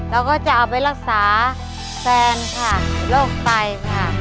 เราก็จะเอาไปรักษาแฟนค่ะโรคไตค่ะ